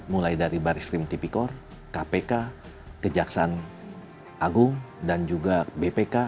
mulai dari baris krim tipikor kpk kejaksaan agung dan juga bpk